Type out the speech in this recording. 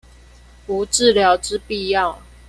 無治療之必要